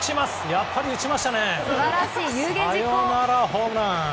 やっぱり打ちましたね。